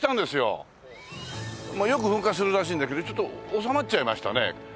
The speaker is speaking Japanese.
よく噴火するらしいんだけどちょっと収まっちゃいましたね。